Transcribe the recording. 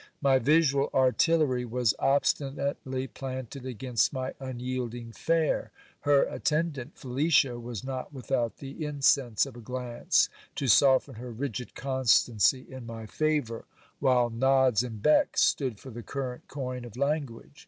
My visual artillery was obstinately planted against my unyielding fair. Her at tendant Felicia was not without the incense of a glance, to soften her rigid constancy in my favour ; while nods and becks stood for the current coin of language.